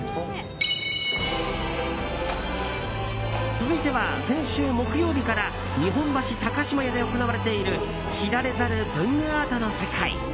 続いては先週木曜日から日本橋高島屋で行われている知られざる文具アートの世界。